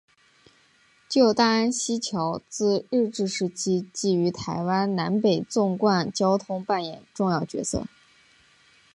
旧大安溪桥自日治时期即于台湾南北纵贯交通扮演重要角色。